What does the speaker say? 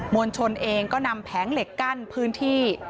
วลชนเองก็นำแผงเหล็กกั้นพื้นที่